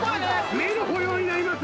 目の保養になります